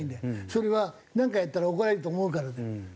それはなんかやったら怒られると思うからだよ。